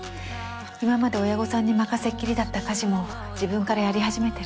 今まで親御さんに任せきりだった家事も自分からやり始めてる。